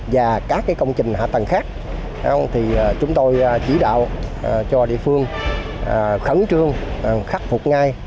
và các công trình hạ tầng khác thì chúng tôi chỉ đạo cho địa phương khẩn trương khắc phục ngay